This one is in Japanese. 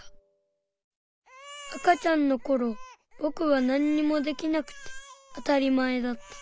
赤ちゃんのころぼくはなんにもできなくてあたりまえだった。